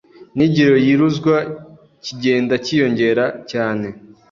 nigiiro yiiruzwa kigendakiyongera yane